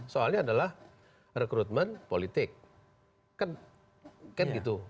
soalnya adalah rekrutmen politik kan gitu